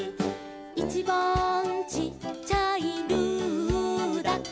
「いちばんちっちゃい」「ルーだから」